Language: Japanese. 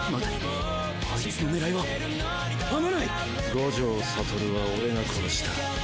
五条悟は俺が殺した。